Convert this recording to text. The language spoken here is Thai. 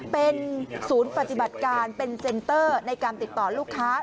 เป็นศูนย์ปฏิบัติการเป็นเซ็นเตอร์ในการติดต่อลูกค้า